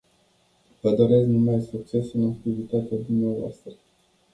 Vă doresc numai succes în activitatea dumneavoastră.